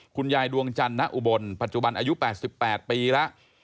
คุณยายดวงจันทร์ณอุบลปัจจุบันอายุ๘๘ปีแล้ว